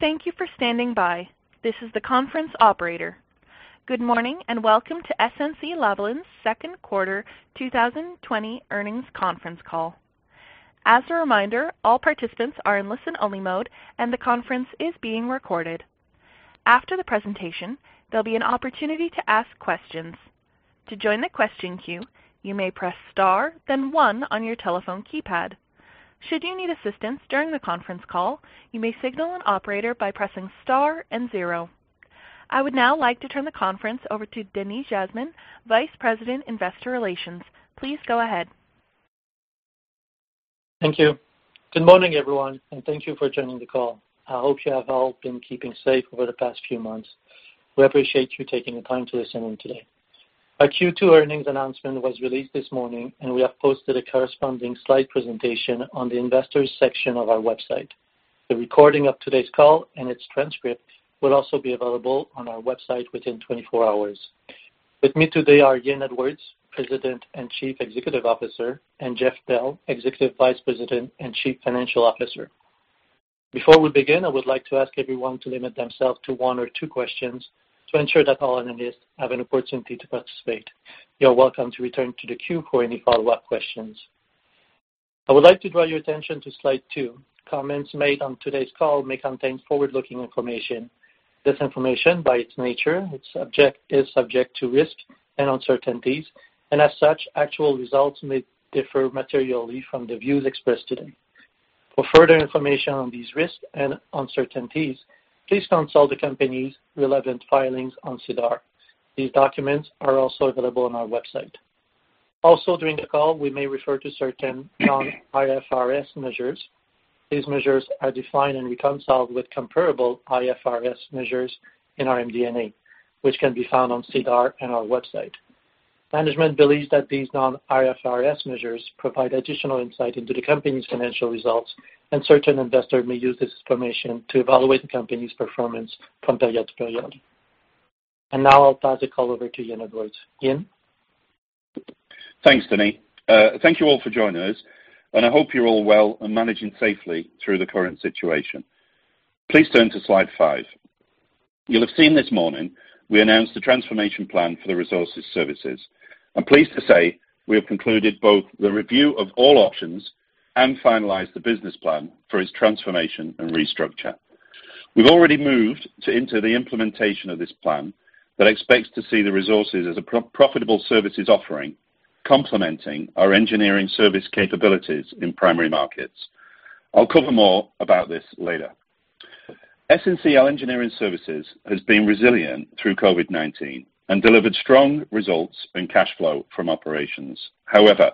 Thank you for standing by. This is the conference operator. Good morning, and welcome to SNC-Lavalin's second quarter 2020 earnings conference call. As a reminder, all participants are in listen-only mode, and the conference is being recorded. After the presentation, there will be an opportunity to ask questions. To join the question queue, you may press star then one on your telephone keypad. Should you need assistance during the conference call, you may signal an operator by pressing star and zero. I would now like to turn the conference over to Denis Jasmin, Vice President, Investor Relations. Please go ahead. Thank you. Good morning, everyone, and thank you for joining the call. I hope you have all been keeping safe over the past few months. We appreciate you taking the time to listen in today. Our Q2 earnings announcement was released this morning, and we have posted a corresponding slide presentation on the Investors section of our website. The recording of today's call and its transcript will also be available on our website within 24 hours. With me today are Ian Edwards, President and Chief Executive Officer, and Jeff Bell, Executive Vice President and Chief Financial Officer. Before we begin, I would like to ask everyone to limit themselves to one or two questions to ensure that all analysts have an opportunity to participate. You're welcome to return to the queue for any follow-up questions. I would like to draw your attention to slide two. Comments made on today's call may contain forward-looking information. This information, by its nature, is subject to risks and uncertainties, and as such, actual results may differ materially from the views expressed today. For further information on these risks and uncertainties, please consult the company's relevant filings on SEDAR. These documents are also available on our website. During the call, we may refer to certain non-IFRS measures. These measures are defined and reconciled with comparable IFRS measures in our MD&A, which can be found on SEDAR and our website. Management believes that these non-IFRS measures provide additional insight into the company's financial results. Certain investors may use this information to evaluate the company's performance from period to period. Now I'll pass the call over to Ian Edwards. Ian? Thanks, Denis. I hope you're all well and managing safely through the current situation. Please turn to slide five. You'll have seen this morning we announced the transformation plan for the resources services. I'm pleased to say we have concluded both the review of all options and finalized the business plan for its transformation and restructure. We've already moved into the implementation of this plan that expects to see the resources as a profitable services offering, complementing our engineering service capabilities in primary markets. I'll cover more about this later. SNCL Engineering Services has been resilient through COVID-19 and delivered strong results and cash flow from operations. However,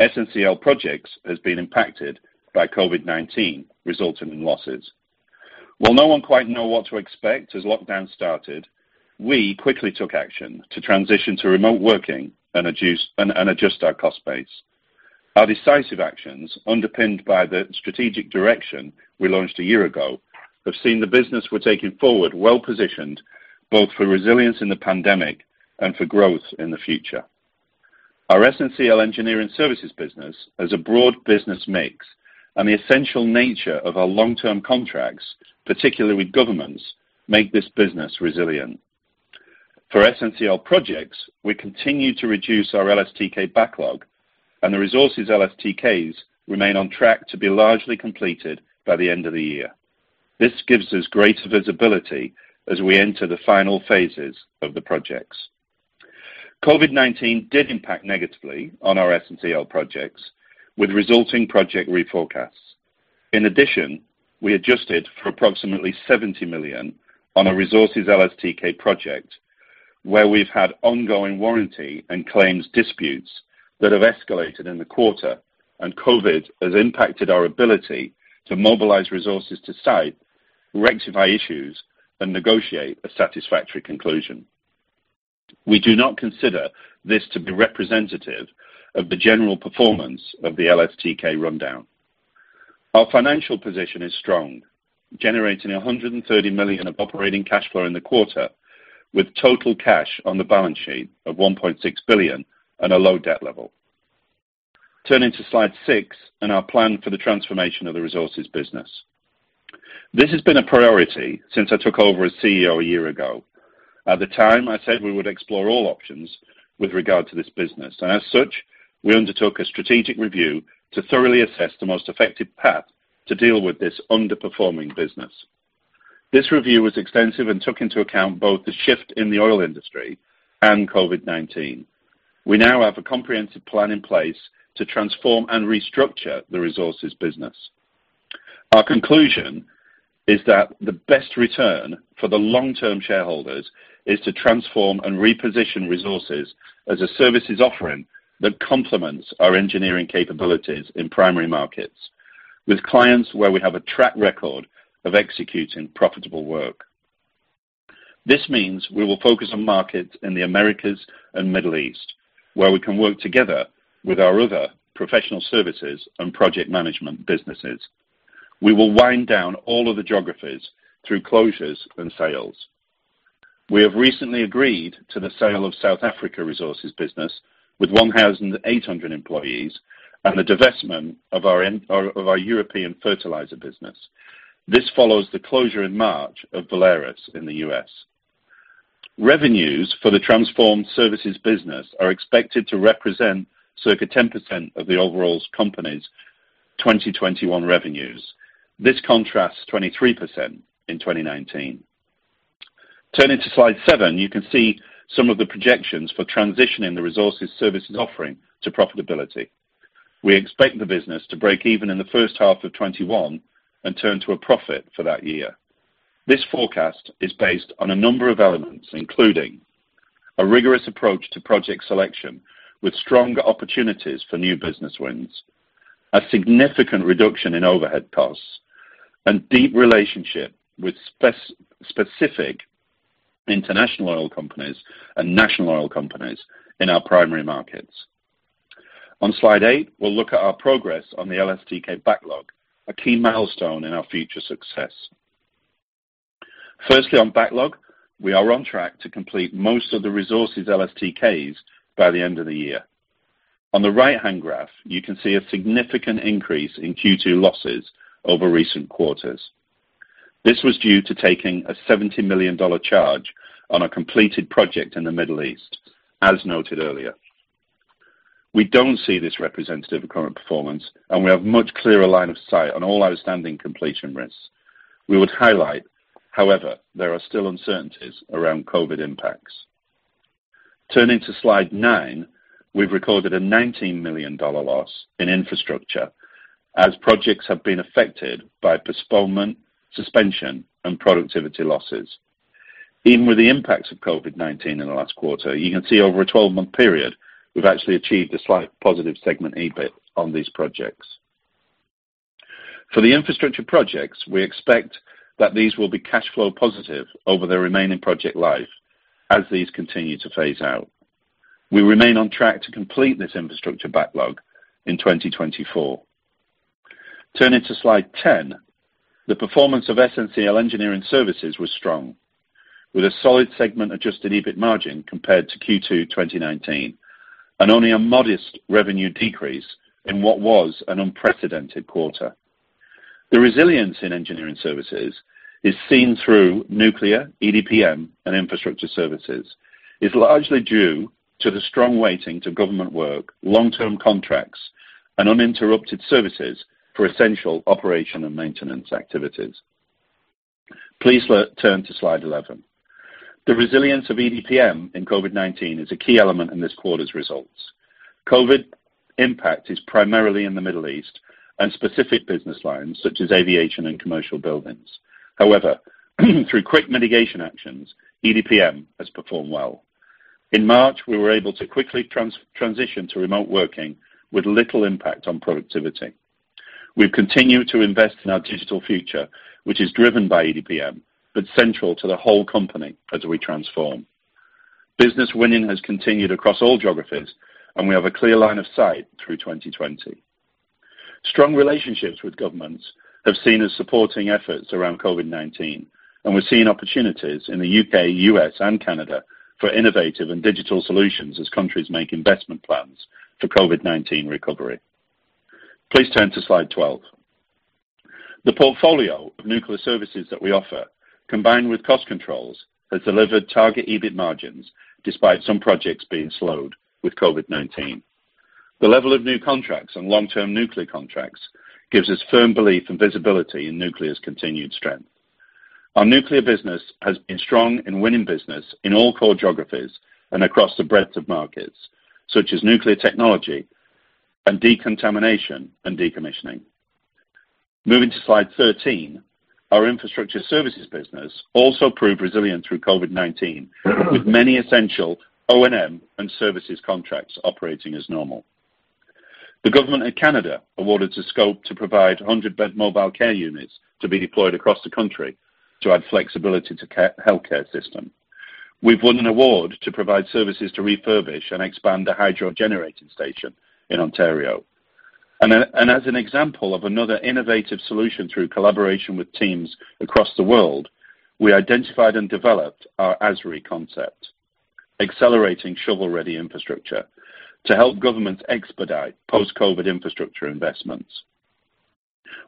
SNCL Projects has been impacted by COVID-19, resulting in losses. While no one quite know what to expect as lockdown started, we quickly took action to transition to remote working and adjust our cost base. Our decisive actions, underpinned by the strategic direction we launched a year ago, have seen the business we're taking forward well-positioned both for resilience in the pandemic and for growth in the future. Our SNCL Engineering Services business has a broad business mix, and the essential nature of our long-term contracts, particularly with governments, make this business resilient. For SNCL Projects, we continue to reduce our LSTK backlog, and the resources LSTKs remain on track to be largely completed by the end of the year. This gives us greater visibility as we enter the final phases of the projects. COVID-19 did impact negatively on our SNCL Projects, with resulting project reforecasts. In addition, we adjusted for approximately 70 million on a resources LSTK project where we've had ongoing warranty and claims disputes that have escalated in the quarter, and COVID has impacted our ability to mobilize resources to site, rectify issues, and negotiate a satisfactory conclusion. We do not consider this to be representative of the general performance of the LSTK rundown. Our financial position is strong, generating 130 million of operating cash flow in the quarter, with total cash on the balance sheet of 1.6 billion and a low debt level. Turning to slide six and our plan for the transformation of the resources business. This has been a priority since I took over as CEO a year ago. At the time, I said we would explore all options with regard to this business, as such, we undertook a strategic review to thoroughly assess the most effective path to deal with this underperforming business. This review was extensive and took into account both the shift in the oil industry and COVID-19. We now have a comprehensive plan in place to transform and restructure the resources business. Our conclusion is that the best return for the long-term shareholders is to transform and reposition resources as a services offering that complements our engineering capabilities in primary markets with clients where we have a track record of executing profitable work. This means we will focus on markets in the Americas and Middle East, where we can work together with our other professional services and project management businesses. We will wind down all other geographies through closures and sales. We have recently agreed to the sale of South Africa Resources business with 1,800 employees and the divestment of our European fertilizer business. This follows the closure in March of Valerus in the U.S. Revenues for the transformed services business are expected to represent circa 10% of the overall company's 2021 revenues. This contrasts 23% in 2019. Turning to slide seven, you can see some of the projections for transitioning the Resources services offering to profitability. We expect the business to break even in the first half of 2021 and turn to a profit for that year. This forecast is based on a number of elements, including a rigorous approach to project selection with stronger opportunities for new business wins, a significant reduction in overhead costs, and deep relationship with specific international oil companies and national oil companies in our primary markets. On slide eight, we'll look at our progress on the LSTK backlog, a key milestone in our future success. Firstly, on backlog, we are on track to complete most of the resources LSTKs by the end of the year. On the right-hand graph, you can see a significant increase in Q2 losses over recent quarters. This was due to taking a 70 million dollar charge on a completed project in the Middle East, as noted earlier. We don't see this representative of current performance, and we have a much clearer line of sight on all outstanding completion risks. We would highlight, however, there are still uncertainties around COVID-19 impacts. Turning to slide nine, we've recorded a 19 million dollar loss in infrastructure as projects have been affected by postponement, suspension, and productivity losses. Even with the impacts of COVID-19 in the last quarter, you can see over a 12-month period, we've actually achieved a slight positive segment EBIT on these projects. For the infrastructure projects, we expect that these will be cash flow positive over their remaining project life as these continue to phase out. We remain on track to complete this infrastructure backlog in 2024. Turning to slide 10, the performance of SNCL Engineering Services was strong, with a solid segment adjusted EBIT margin compared to Q2 2019 and only a modest revenue decrease in what was an unprecedented quarter. The resilience in engineering services is seen through nuclear, EDPM, and infrastructure services is largely due to the strong weighting to government work, long-term contracts, and uninterrupted services for essential operation and maintenance activities. Please turn to slide 11. The resilience of EDPM in COVID-19 is a key element in this quarter's results. COVID impact is primarily in the Middle East on specific business lines such as aviation and commercial buildings. However, through quick mitigation actions, EDPM has performed well. In March, we were able to quickly transition to remote working with little impact on productivity. We have continued to invest in our digital future, which is driven by EDPM, but central to the whole company as we transform. Business winning has continued across all geographies, and we have a clear line of sight through 2020. Strong relationships with governments have seen us supporting efforts around COVID-19, and we are seeing opportunities in the U.K., U.S., and Canada for innovative and digital solutions as countries make investment plans for COVID-19 recovery. Please turn to slide 12. The portfolio of nuclear services that we offer, combined with cost controls, has delivered target EBIT margins despite some projects being slowed with COVID-19. The level of new contracts and long-term nuclear contracts gives us firm belief and visibility in nuclear's continued strength. Our nuclear business has been strong in winning business in all core geographies and across the breadth of markets, such as nuclear technology and decontamination and decommissioning. Moving to slide 13, our infrastructure services business also proved resilient through COVID-19, with many essential O&M and services contracts operating as normal. The Government of Canada awarded the scope to provide 100-bed mobile care units to be deployed across the country to add flexibility to the healthcare system. We've won an award to provide services to refurbish and expand the hydro generating station in Ontario. As an example of another innovative solution through collaboration with teams across the world, we identified and developed our ASRI concept, Accelerating Shovel-Ready Infrastructure, to help governments expedite post-COVID infrastructure investments.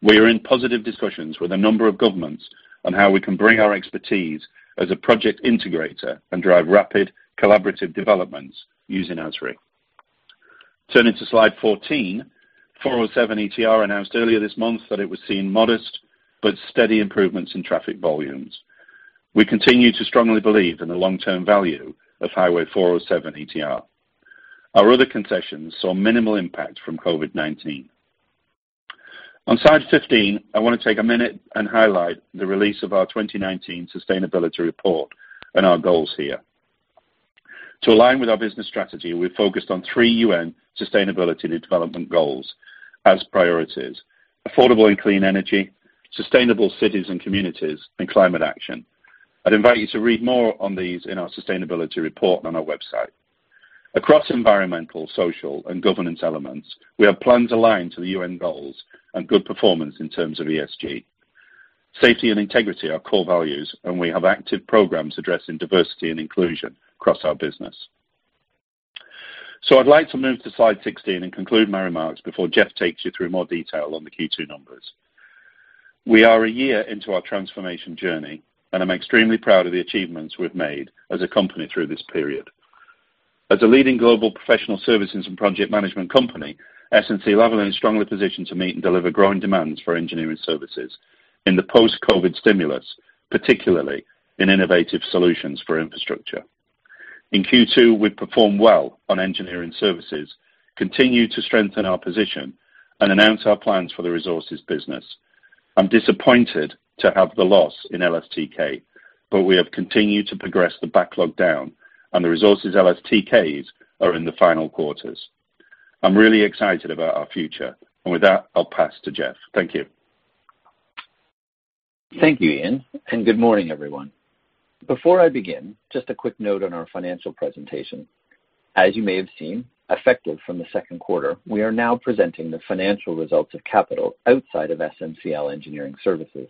We are in positive discussions with a number of governments on how we can bring our expertise as a project integrator and drive rapid collaborative developments using ASRI. Turning to slide 14, 407 ETR announced earlier this month that it was seeing modest but steady improvements in traffic volumes. We continue to strongly believe in the long-term value of Highway 407 ETR. Our other concessions saw minimal impact from COVID-19. On slide 15, I want to take a minute and highlight the release of our 2019 sustainability report and our goals here. To align with our business strategy, we focused on three UN sustainability and development goals as priorities: affordable and clean energy, sustainable cities and communities, and climate action. I'd invite you to read more on these in our sustainability report on our website. Across environmental, social, and governance elements, we have plans aligned to the UN goals and good performance in terms of ESG. Safety and integrity are core values, and we have active programs addressing diversity and inclusion across our business. I'd like to move to slide 16 and conclude my remarks before Jeff takes you through more detail on the Q2 numbers. We are a year into our transformation journey, and I'm extremely proud of the achievements we've made as a company through this period. As a leading global professional services and project management company, SNC-Lavalin is strongly positioned to meet and deliver growing demands for engineering services in the post-COVID-19 stimulus, particularly in innovative solutions for infrastructure. In Q2, we performed well on engineering services, continued to strengthen our position, and announce our plans for the resources business. I'm disappointed to have the loss in LSTK, but we have continued to progress the backlog down, and the resources LSTKs are in the final quarters. I'm really excited about our future. With that, I'll pass to Jeff. Thank you. Thank you, Ian, and good morning, everyone. Before I begin, just a quick note on our financial presentation. As you may have seen, effective from the second quarter, we are now presenting the financial results of capital outside of SNCL Engineering Services.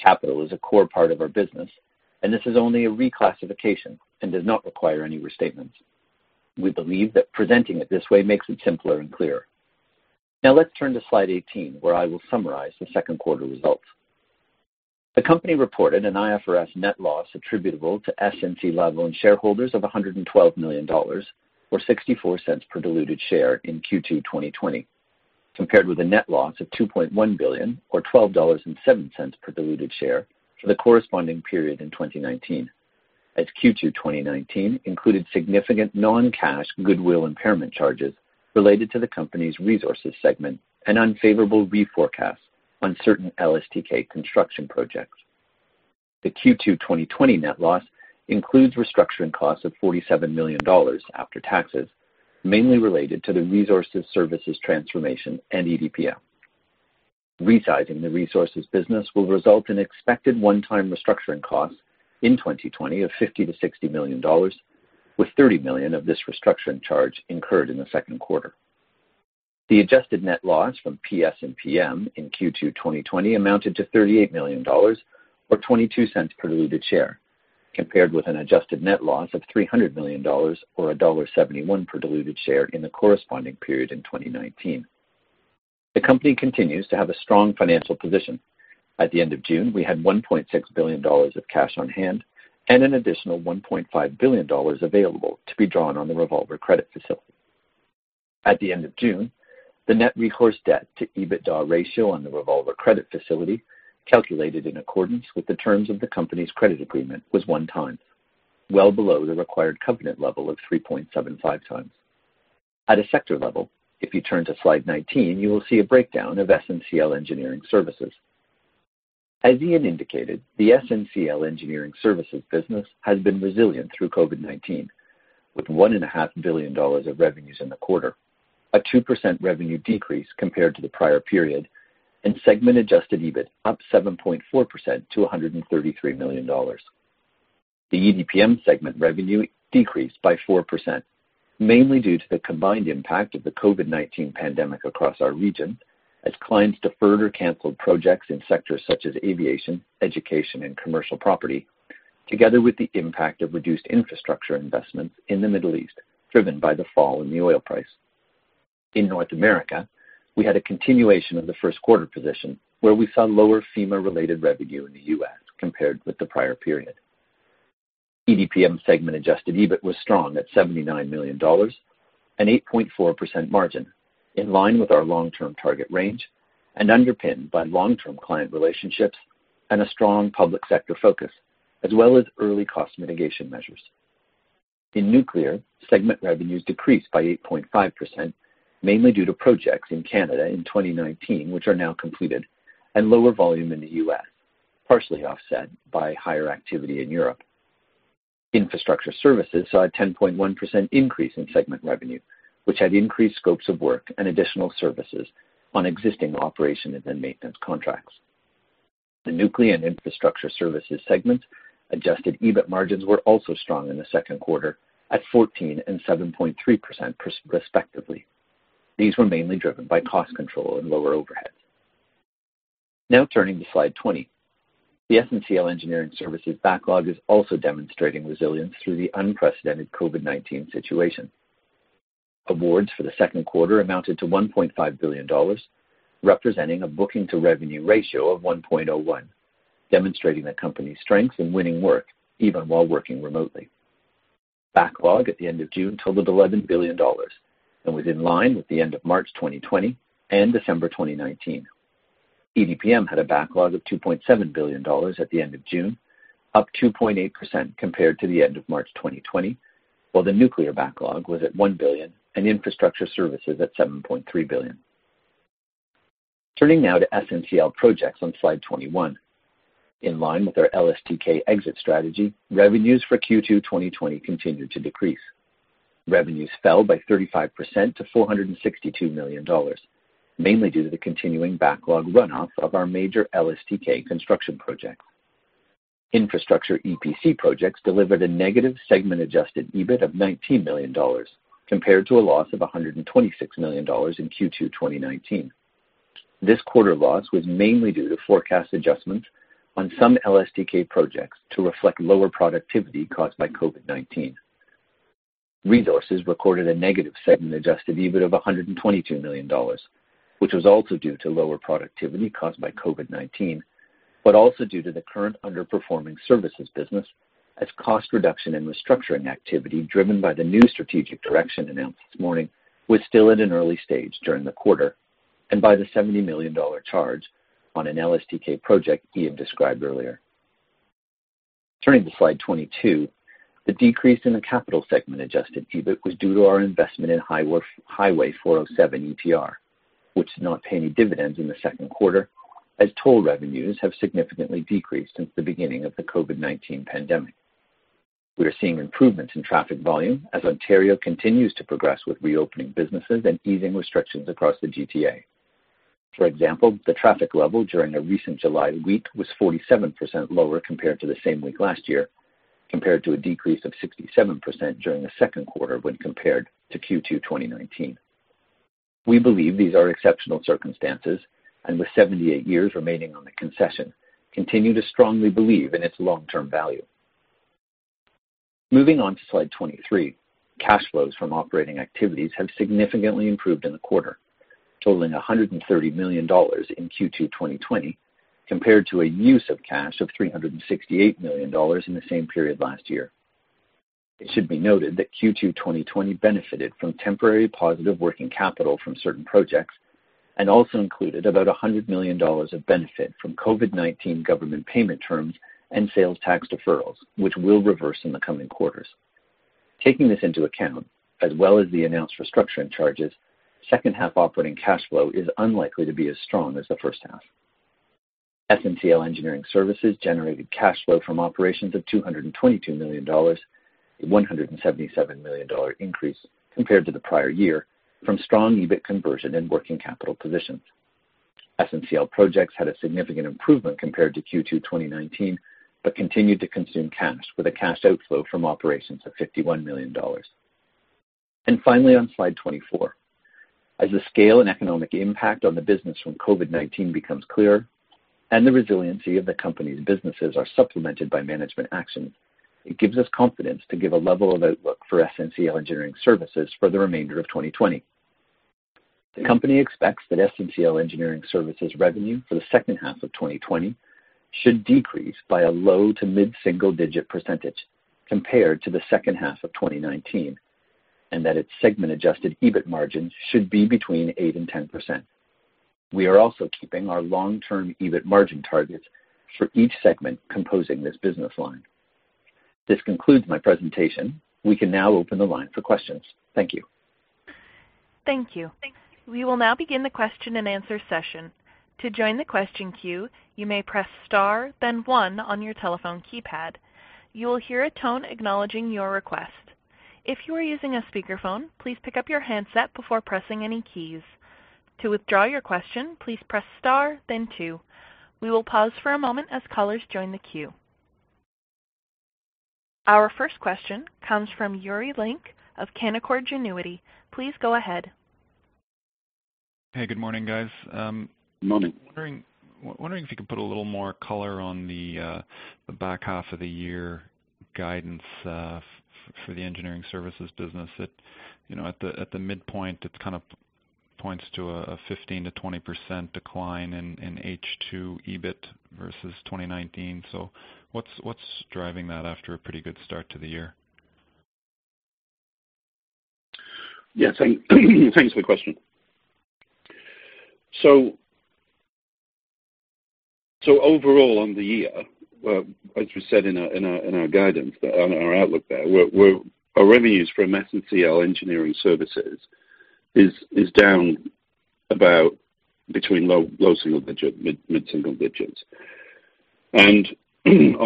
Capital is a core part of our business, and this is only a reclassification and does not require any restatements. We believe that presenting it this way makes it simpler and clearer. Now let's turn to slide 18, where I will summarize the second quarter results. The company reported an IFRS net loss attributable to SNC-Lavalin shareholders of 112 million dollars, or 0.64 per diluted share in Q2 2020, compared with a net loss of 2.1 billion or 12.07 dollars per diluted share for the corresponding period in 2019, as Q2 2019 included significant non-cash goodwill impairment charges related to the company's resources segment and unfavorable reforecasts on certain LSTK construction projects. The Q2 2020 net loss includes restructuring costs of 47 million dollars after taxes, mainly related to the resources services transformation and EDPM. Resizing the resources business will result in expected one-time restructuring costs in 2020 of 50 million-60 million dollars, with 30 million of this restructuring charge incurred in the second quarter. The adjusted net loss from PS and PM in Q2 2020 amounted to CAD 38 million, or 0.22 per diluted share, compared with an adjusted net loss of CAD 300 million or CAD 1.71 per diluted share in the corresponding period in 2019. The company continues to have a strong financial position. At the end of June, we had 1.6 billion dollars of cash on hand and an additional 1.5 billion dollars available to be drawn on the revolver credit facility. At the end of June, the net recourse debt to EBITDA ratio on the revolver credit facility, calculated in accordance with the terms of the company's credit agreement, was one times, well below the required covenant level of 3.75 times. At a sector level, if you turn to slide 19, you will see a breakdown of SNCL Engineering Services. As Ian indicated, the SNCL Engineering Services business has been resilient through COVID-19, with 1.5 billion dollars of revenues in the quarter, a 2% revenue decrease compared to the prior period, and segment adjusted EBIT up 7.4% to 133 million dollars. The EDPM segment revenue decreased by 4%, mainly due to the combined impact of the COVID-19 pandemic across our region as clients deferred or canceled projects in sectors such as aviation, education, and commercial property, together with the impact of reduced infrastructure investments in the Middle East, driven by the fall in the oil price. In North America, we had a continuation of the first quarter position, where we saw lower FEMA-related revenue in the U.S. compared with the prior period. EDPM segment adjusted EBIT was strong at 79 million dollars, an 8.4% margin, in line with our long-term target range and underpinned by long-term client relationships and a strong public sector focus, as well as early cost mitigation measures. In nuclear, segment revenues decreased by 8.5%, mainly due to projects in Canada in 2019, which are now completed, and lower volume in the U.S., partially offset by higher activity in Europe. Infrastructure services saw a 10.1% increase in segment revenue, which had increased scopes of work and additional services on existing operation and maintenance contracts. The nuclear and infrastructure services segment adjusted EBIT margins were also strong in the second quarter at 14% and 7.3%, respectively. These were mainly driven by cost control and lower overheads. Now turning to slide 20. The SNCL Engineering Services backlog is also demonstrating resilience through the unprecedented COVID-19 situation. Awards for the second quarter amounted to 1.5 billion dollars, representing a booking to revenue ratio of 1.01, demonstrating the company's strength in winning work even while working remotely. Backlog at the end of June totaled 11 billion dollars and was in line with the end of March 2020 and December 2019. EDPM had a backlog of 2.7 billion dollars at the end of June, up 2.8% compared to the end of March 2020, while the nuclear backlog was at 1 billion and Infrastructure services at 7.3 billion. Turning now to SNCL Projects on slide 21. In line with our LSTK exit strategy, revenues for Q2 2020 continued to decrease. Revenues fell by 35% to 462 million dollars, mainly due to the continuing backlog runoff of our major LSTK construction projects. Infrastructure EPC projects delivered a negative segment adjusted EBIT of 19 million dollars compared to a loss of 126 million dollars in Q2 2019. This quarter loss was mainly due to forecast adjustments on some LSTK projects to reflect lower productivity caused by COVID-19. Resources recorded a negative segment adjusted EBIT of 122 million dollars, which was also due to lower productivity caused by COVID-19, but also due to the current underperforming services business as cost reduction and restructuring activity driven by the new strategic direction announced this morning was still at an early stage during the quarter and by the 70 million dollar charge on an LSTK project Ian described earlier. Turning to slide 22, the decrease in the capital segment adjusted EBIT was due to our investment in Highway 407 ETR, which did not pay any dividends in the second quarter as toll revenues have significantly decreased since the beginning of the COVID-19 pandemic. We are seeing improvements in traffic volume as Ontario continues to progress with reopening businesses and easing restrictions across the GTA. For example, the traffic level during a recent July week was 47% lower compared to the same week last year, compared to a decrease of 67% during the second quarter when compared to Q2 2019. We believe these are exceptional circumstances, and with 78 years remaining on the concession, continue to strongly believe in its long-term value. Moving on to slide 23, cash flows from operating activities have significantly improved in the quarter, totaling 130 million dollars in Q2 2020 compared to a use of cash of 368 million dollars in the same period last year. It should be noted that Q2 2020 benefited from temporary positive working capital from certain projects and also included about 100 million dollars of benefit from COVID-19 government payment terms and sales tax deferrals, which will reverse in the coming quarters. Taking this into account, as well as the announced restructuring charges, second half operating cash flow is unlikely to be as strong as the first half. SNCL Engineering Services generated cash flow from operations of 222 million dollars, a 177 million dollar increase compared to the prior year from strong EBIT conversion and working capital positions. SNCL Projects had a significant improvement compared to Q2 2019, but continued to consume cash with a cash outflow from operations of 51 million dollars. Finally, on slide 24. As the scale and economic impact on the business from COVID-19 becomes clearer and the resiliency of the company's businesses are supplemented by management action, it gives us confidence to give a level of outlook for SNCL Engineering Services for the remainder of 2020. The company expects that SNCL Engineering Services revenue for the second half of 2020 should decrease by a low to mid-single digit percentage compared to the second half of 2019, and that its segment adjusted EBIT margins should be between 8% and 10%. We are also keeping our long-term EBIT margin targets for each segment composing this business line. This concludes my presentation. We can now open the line for questions. Thank you. Thank you. We will now begin the question-and-answer session. To join the question queue, you may press star then one on your telephone keypad. You will hear a tone acknowledging your request. If you are using a speakerphone, please pick up your handset before pressing any keys. To withdraw your question, please press star then two. We will pause for a moment as callers join the queue. Our first question comes from Yuri Lynk of Canaccord Genuity. Please go ahead. Hey, good morning, guys. Morning. Wondering if you could put a little more color on the back half of the year guidance for the engineering services business. At the midpoint, it kind of points to a 15%-20% decline in H2 EBIT versus 2019. What's driving that after a pretty good start to the year? Yeah. Thanks for the question. Overall, on the year, as we said in our guidance, on our outlook there, our revenues from SNCL Engineering Services is down about between low single digit, mid-single digits. On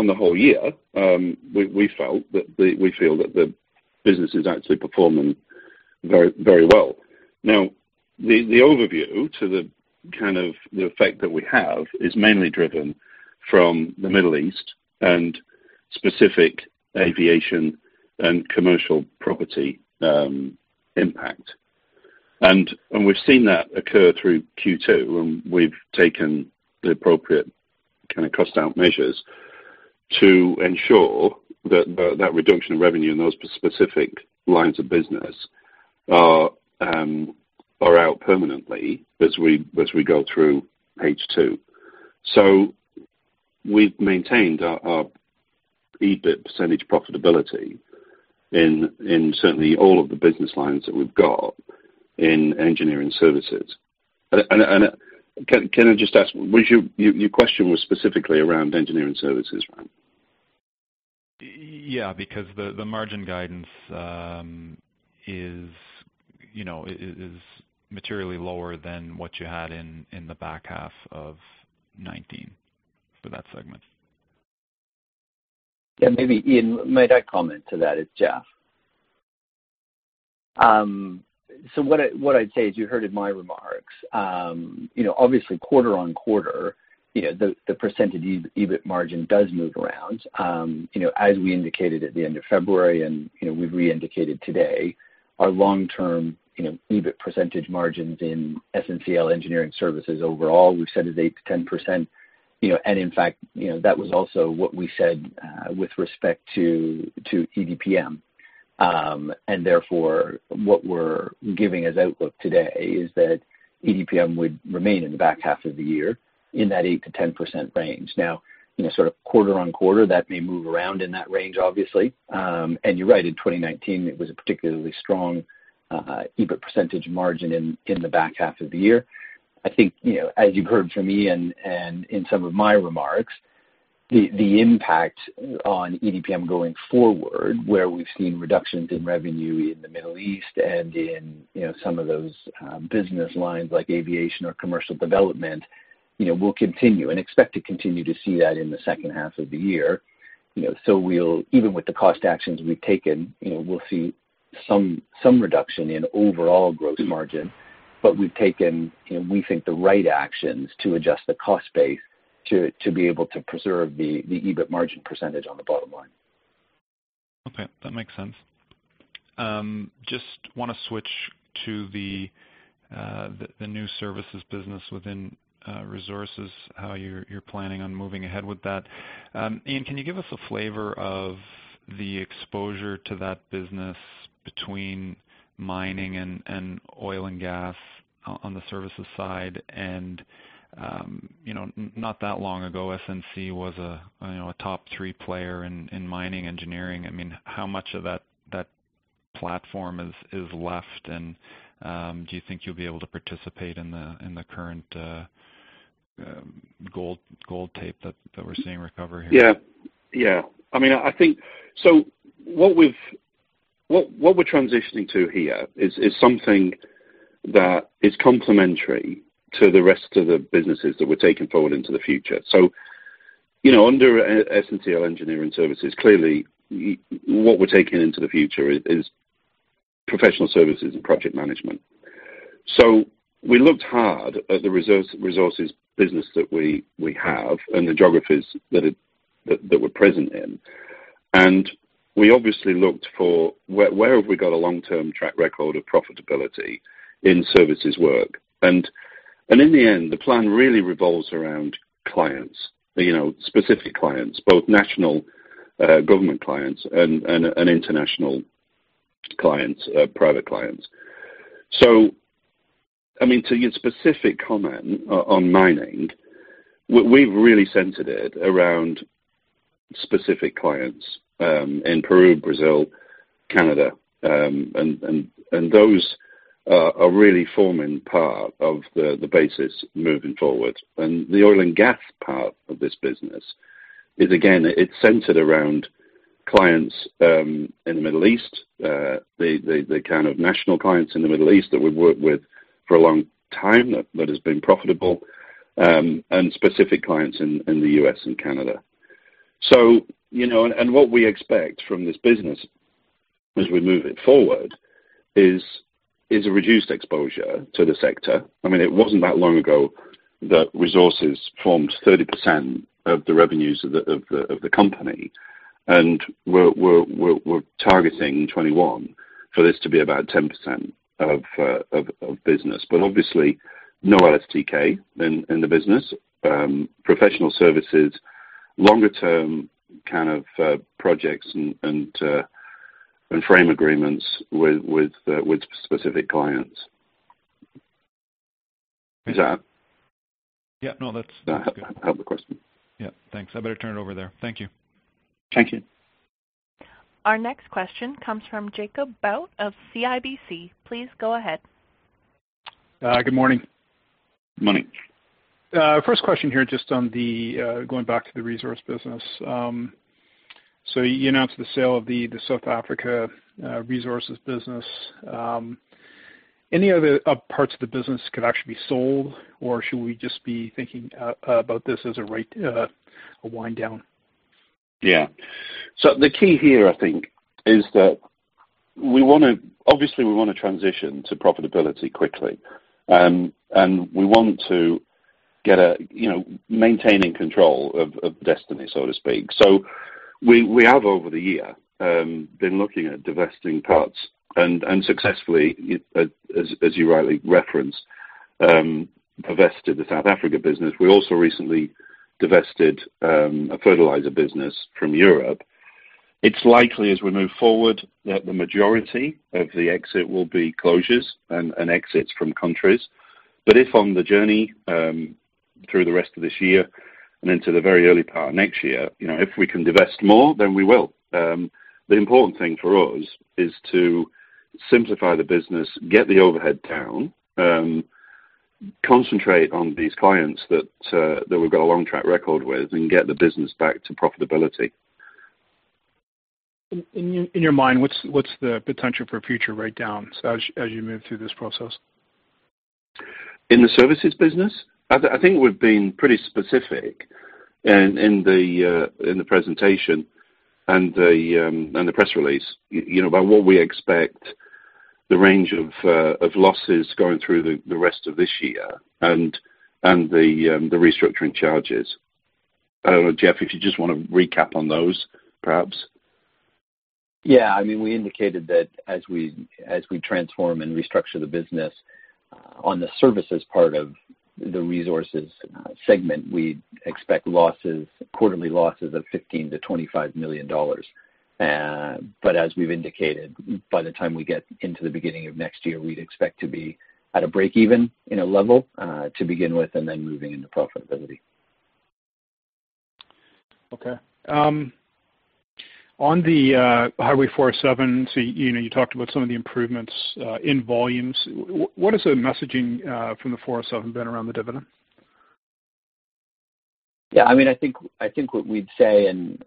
the whole year, we feel that the business is actually performing very well. Now, the overview to the effect that we have is mainly driven from the Middle East and specific aviation and commercial property impact. We've seen that occur through Q2, and we've taken the appropriate cost out measures to ensure that that reduction of revenue in those specific lines of business are out permanently as we go through H2. We've maintained our EBIT % profitability in certainly all of the business lines that we've got in SNCL Engineering Services. Can I just ask, your question was specifically around SNCL Engineering Services, right? Yeah, because the margin guidance is materially lower than what you had in the back half of 2019 for that segment. Yeah, maybe Ian, may I comment to that? It's Jeff. What I'd say is, you heard in my remarks, obviously quarter-on-quarter, the percentage EBIT margin does move around. As we indicated at the end of February and we've re-indicated today, our long-term EBIT percentage margins in SNCL Engineering Services overall, we've said is 8%-10%. In fact, that was also what we said with respect to EDPM. Therefore, what we're giving as outlook today is that EDPM would remain in the back half of the year in that 8%-10% range. Sort of quarter-on-quarter, that may move around in that range, obviously. You're right, in 2019, it was a particularly strong EBIT percentage margin in the back half of the year. I think, as you've heard from me and in some of my remarks, the impact on EDPM going forward, where we've seen reductions in revenue in the Middle East and in some of those business lines like aviation or commercial development, will continue and expect to continue to see that in the second half of the year. Even with the cost actions we've taken, we'll see some reduction in overall gross margin. We've taken, we think, the right actions to adjust the cost base to be able to preserve the EBIT margin percentage on the bottom line. Okay, that makes sense. Just want to switch to the new services business within resources, how you're planning on moving ahead with that. Ian, can you give us a flavor of the exposure to that business between mining and oil and gas on the services side and, not that long ago, SNC was a top three player in mining engineering. How much of that platform is left? Do you think you'll be able to participate in the current gold tape that we're seeing recover here? Yeah. What we're transitioning to here is something that is complementary to the rest of the businesses that we're taking forward into the future. Under SNCL Engineering Services, clearly what we're taking into the future is Professional Services and Project Management. We looked hard at the resources business that we have and the geographies that we're present in, and we obviously looked for where have we got a long-term track record of profitability in services work. In the end, the plan really revolves around clients, specific clients, both national government clients and international private clients. To give specific comment on mining, we've really centered it around specific clients in Peru, Brazil, Canada, and those are really forming part of the basis moving forward. The oil and gas part of this business is, again, it's centered around clients in the Middle East, the kind of national clients in the Middle East that we've worked with for a long time that has been profitable, and specific clients in the U.S. and Canada. What we expect from this business as we move it forward is a reduced exposure to the sector. It wasn't that long ago that resources formed 30% of the revenues of the company, and we're targeting 2021 for this to be about 10% of business, but obviously no LSTK in the business. Professional services, longer-term kind of projects and frame agreements with specific clients. Is that? Yeah, no, that's good. a helpful question? Yeah, thanks. I better turn it over there. Thank you. Thank you. Our next question comes from Jacob Bout of CIBC. Please go ahead. Good morning. Morning. First question here, just on the going back to the resource business. You announced the sale of the South Africa resources business. Any other parts of the business could actually be sold, or should we just be thinking about this as a wind down? Yeah. The key here I think is that obviously we want to transition to profitability quickly, and we want to maintain control of destiny, so to speak. We have, over the year, been looking at divesting parts, and successfully, as you rightly referenced, divested the South Africa business. We also recently divested a fertilizer business from Europe. It's likely as we move forward that the majority of the exit will be closures and exits from countries. If on the journey through the rest of this year and into the very early part of next year, if we can divest more, then we will. The important thing for us is to simplify the business, get the overhead down, concentrate on these clients that we've got a long track record with, and get the business back to profitability. In your mind, what's the potential for future write-downs as you move through this process? In the services business? I think we've been pretty specific in the presentation and the press release about what we expect the range of losses going through the rest of this year and the restructuring charges. I don't know, Jeff, if you just want to recap on those, perhaps. Yeah. We indicated that as we transform and restructure the business on the services part of the Resources Segment, we expect quarterly losses of 15 million-25 million dollars. As we've indicated, by the time we get into the beginning of next year, we'd expect to be at a break-even in a level to begin with, and then moving into profitability. Okay. On the Highway 407, you talked about some of the improvements in volumes. What has the messaging from the 407 been around the dividend? I think what we'd say, and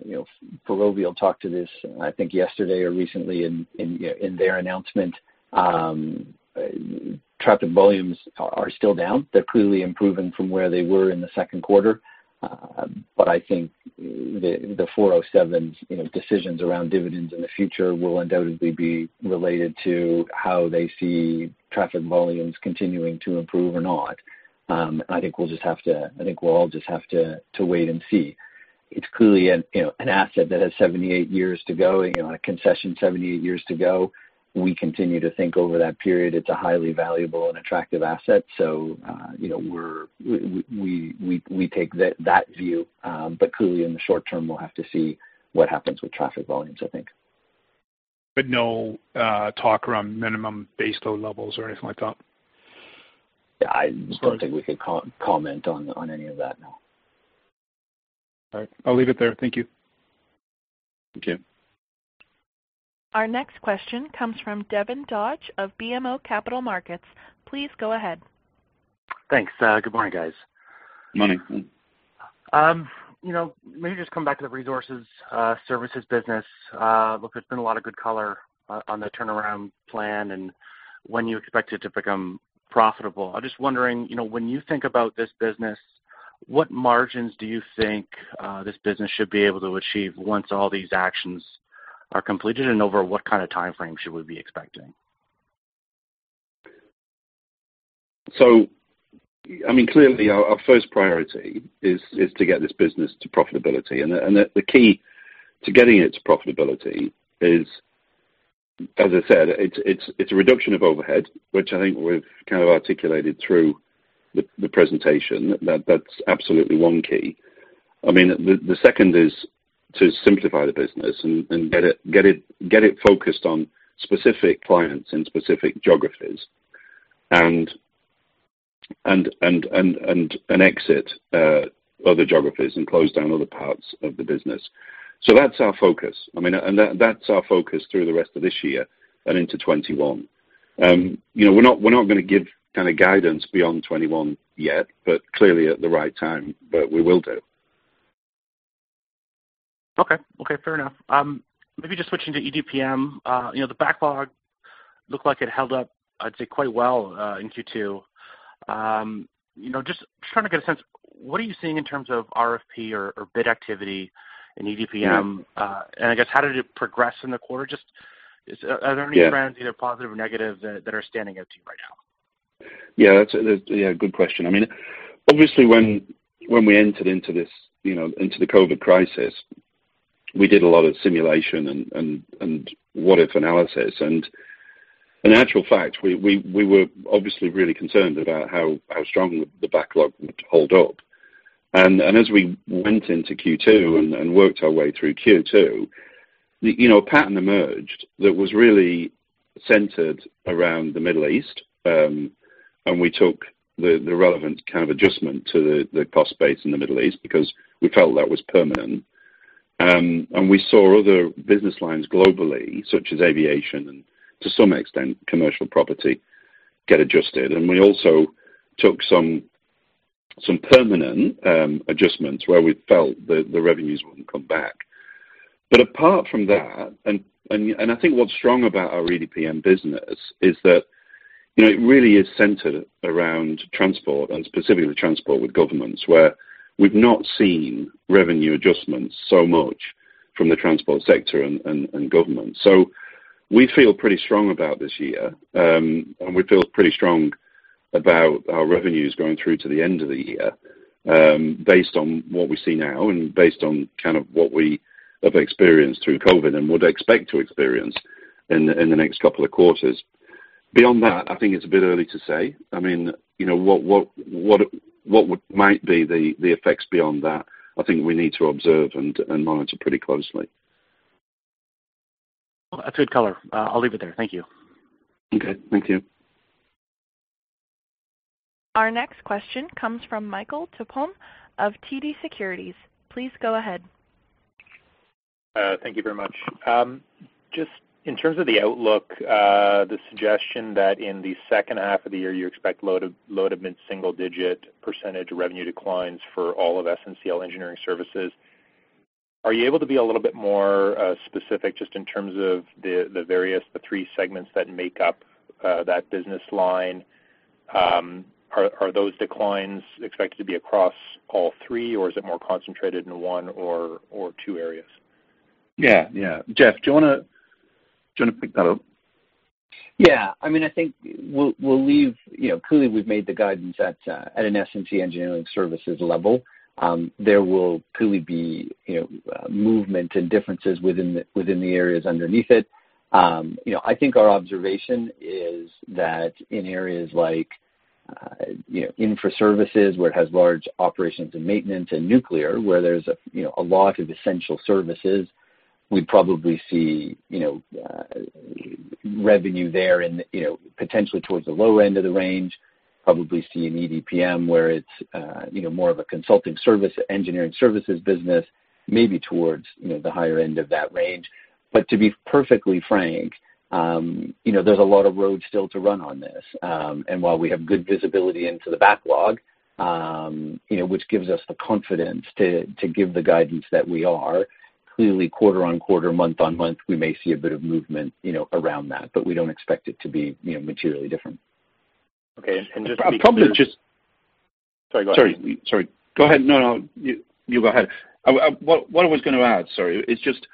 Ferrovial talked to this, I think, yesterday or recently in their announcement, traffic volumes are still down. They're clearly improving from where they were in the second quarter. I think the 407's decisions around dividends in the future will undoubtedly be related to how they see traffic volumes continuing to improve or not. I think we'll all just have to wait and see. It's clearly an asset that has 78 years to go, a concession 78 years to go. We continue to think over that period it's a highly valuable and attractive asset. We take that view. Clearly in the short-term, we'll have to see what happens with traffic volumes, I think. No talk around minimum base load levels or anything like that? I don't think we could comment on any of that, no. All right. I'll leave it there. Thank you. Thank you. Our next question comes from Devin Dodge of BMO Capital Markets. Please go ahead. Thanks. Good morning, guys. Morning. Let me just come back to the resources services business. Look, there's been a lot of good color on the turnaround plan and when you expect it to become profitable. I'm just wondering, when you think about this business, what margins do you think this business should be able to achieve once all these actions are completed? Over what kind of timeframe should we be expecting? Clearly, our first priority is to get this business to profitability. The key to getting it to profitability is, as I said, it's a reduction of overhead, which I think we've articulated through the presentation. That's absolutely one key. The second is to simplify the business and get it focused on specific clients and specific geographies and exit other geographies and close down other parts of the business. That's our focus. That's our focus through the rest of this year and into 2021. We're not going to give guidance beyond 2021 yet, but clearly at the right time, we will do. Okay. Fair enough. Maybe just switching to EDPM. The backlog looked like it held up, I’d say, quite well in Q2. Just trying to get a sense, what are you seeing in terms of RFP or bid activity in EDPM? I guess how did it progress in the quarter? Are there any trends, either positive or negative, that are standing out to you right now? Yeah, good question. Obviously, when we entered into the COVID crisis, we did a lot of simulation and what-if analysis. In actual fact, we were obviously really concerned about how strong the backlog would hold up. As we went into Q2 and worked our way through Q2, a pattern emerged that was really centered around the Middle East. We took the relevant kind of adjustment to the cost base in the Middle East because we felt that was permanent. We saw other business lines globally, such as aviation and to some extent commercial property, get adjusted. We also took some permanent adjustments where we felt the revenues wouldn't come back. Apart from that, and I think what's strong about our EDPM business is that it really is centered around transport and specifically transport with governments where we've not seen revenue adjustments so much from the transport sector and government. We feel pretty strong about this year. We feel pretty strong about our revenues going through to the end of the year, based on what we see now and based on what we have experienced through COVID and would expect to experience in the next couple of quarters. Beyond that, I think it's a bit early to say. What might be the effects beyond that, I think we need to observe and monitor pretty closely. That's good color. I'll leave it there. Thank you. Okay. Thank you. Our next question comes from Michael Tupholme of TD Securities. Please go ahead. Thank you very much. Just in terms of the outlook, the suggestion that in the second half of the year you expect low-to-mid single digit % revenue declines for all of SNCL Engineering Services. Are you able to be a little bit more specific just in terms of the various three segments that make up that business line? Are those declines expected to be across all three, or is it more concentrated in one or two areas? Yeah. Jeff, do you want to pick that up? Clearly, we've made the guidance at an SNCL Engineering Services level. There will clearly be movement and differences within the areas underneath it. I think our observation is that in areas like Infrastructure services, where it has large operations and maintenance, and nuclear, where there's a lot of essential services, we probably see revenue there and potentially towards the low end of the range. Probably see an EDPM where it's more of a consulting service, engineering services business, maybe towards the higher end of that range. To be perfectly frank, there's a lot of road still to run on this. While we have good visibility into the backlog, which gives us the confidence to give the guidance that we are, clearly quarter-on-quarter, month-on-month, we may see a bit of movement around that. We don't expect it to be materially different. Okay. I'd probably just. Sorry, go ahead. Sorry. Go ahead. No, you go ahead. What I was going to add, sorry, is just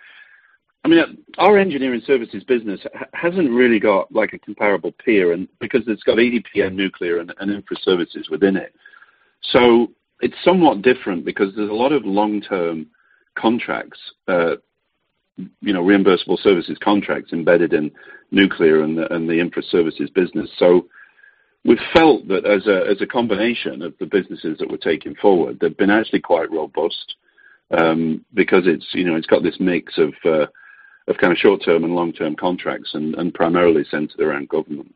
our engineering services business hasn't really got a comparable peer, because it's got EDPM, nuclear, and infra services within it. It's somewhat different because there's a lot of long-term contracts, reimbursable services contracts embedded in nuclear and the infra services business. We felt that as a combination of the businesses that we're taking forward, they've been actually quite robust, because it's got this mix of short-term and long-term contracts, and primarily centered around government.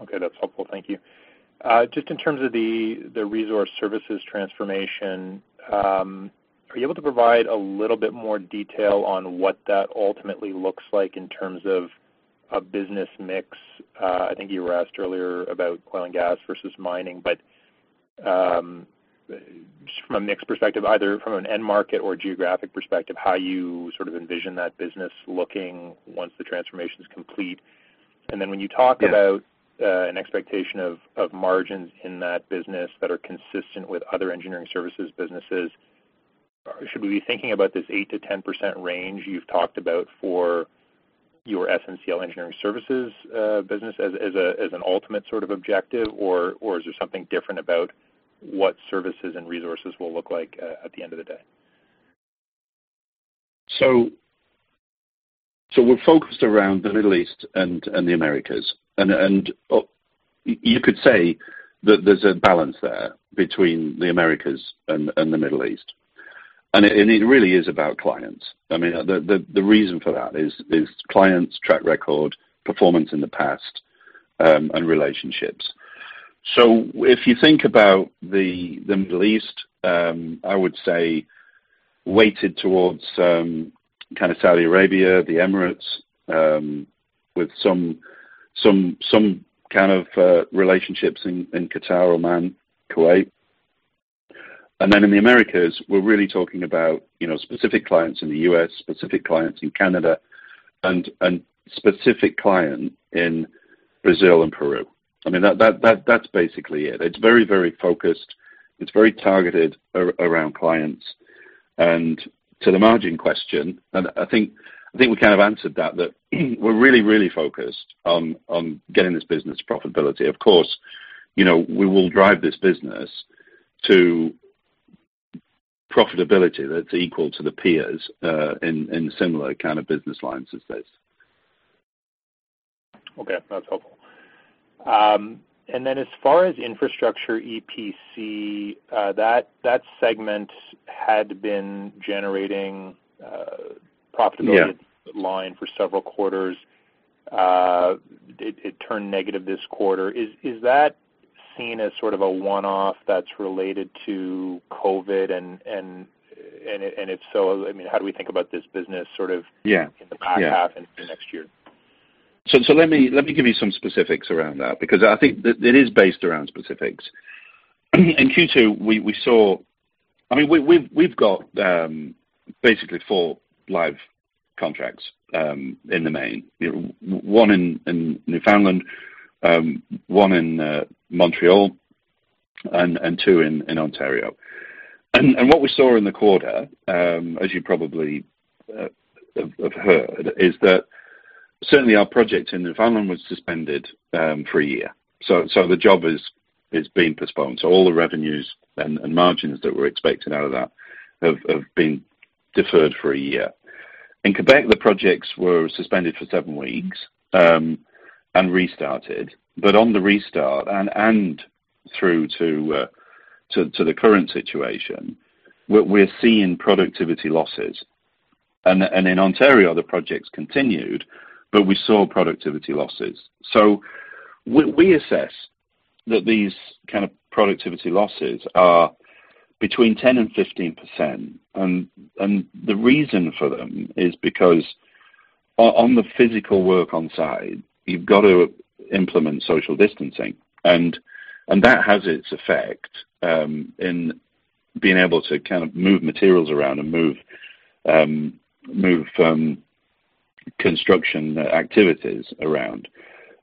Okay. That's helpful. Thank you. Just in terms of the resource services transformation, are you able to provide a little bit more detail on what that ultimately looks like in terms of a business mix? I think you were asked earlier about oil and gas versus mining, from mix perspective, either from an end market or geographic perspective, how you envision that business looking once the transformation's complete. When you talk about an expectation of margins in that business that are consistent with other engineering services businesses, should we be thinking about this 8%-10% range you've talked about for your SNCL Engineering Services business as an ultimate sort of objective, or is there something different about what services and resources will look like at the end of the day? We're focused around the Middle East and the Americas. You could say that there's a balance there between the Americas and the Middle East. It really is about clients. The reason for that is clients track record performance in the past and relationships. If you think about the Middle East, I would say weighted towards kind of Saudi Arabia, the Emirates, with some kind of relationships in Qatar, Oman, Kuwait. Then in the Americas, we're really talking about specific clients in the U.S., specific clients in Canada, and specific client in Brazil and Peru. That's basically it. It's very focused. It's very targeted around clients. To the margin question, and I think we kind of answered that we're really focused on getting this business profitability. Of course, we will drive this business to profitability that's equal to the peers in similar kind of business lines as this. Okay. That's helpful. As far as infrastructure EPC, that segment had been generating profitability. Yeah line for several quarters. It turned negative this quarter. Is that seen as sort of a one-off that's related to COVID? If so, how do we think about this business. Yeah in the back half and into next year? Let me give you some specifics around that, because I think it is based around specifics. In Q2, we've got basically four live contracts in the main, one in Newfoundland, one in Montreal, and two in Ontario. What we saw in the quarter, as you probably have heard, is that certainly our project in Newfoundland was suspended for a year. The job has been postponed. All the revenues and margins that we're expecting out of that have been deferred for a year. In Quebec, the projects were suspended for seven weeks and restarted. On the restart and through to the current situation, we're seeing productivity losses. In Ontario, the projects continued, but we saw productivity losses. We assess that these kind of productivity losses are between 10%-15%. The reason for them is because On the physical work on site, you've got to implement social distancing. That has its effect in being able to move materials around and move construction activities around.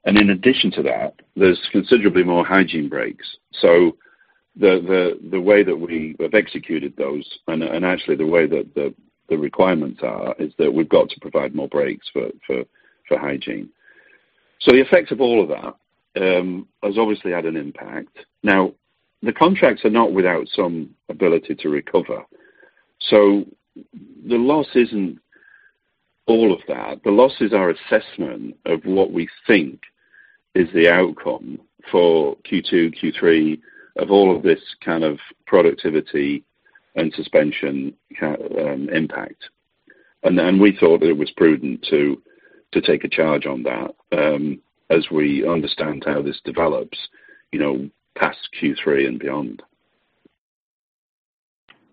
In addition to that, there's considerably more hygiene breaks. The way that we have executed those, and actually the way that the requirements are, is that we've got to provide more breaks for hygiene. The effect of all of that has obviously had an impact. The contracts are not without some ability to recover. The loss isn't all of that. The loss is our assessment of what we think is the outcome for Q2, Q3 of all of this kind of productivity and suspension impact. Then we thought that it was prudent to take a charge on that, as we understand how this develops past Q3 and beyond.